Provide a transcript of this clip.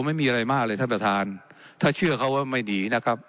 ไม่มีอะไรมากเลยท่านประธานถ้าเชื่อเขาว่าไม่หนีนะครับ